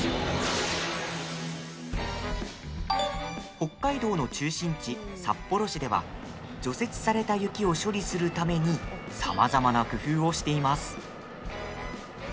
北海道の中心地、札幌市では除雪された雪を処理するためにさまざまな工夫をしています。